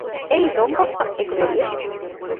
އެއީ ދޮންބައްޕަ އެކުވެރިއެއް